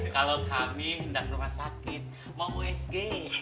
kalau kami enggak ke rumah sakit mau usg